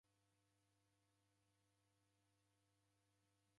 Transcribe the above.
Nighorie kwawekunda ilinga?